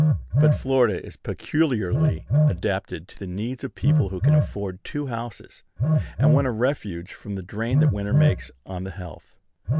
But Florida is peculiarly adapted to the needs of people who can afford two houses, and want a refuge from the drain that winter makes on the health.